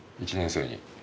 １年生に。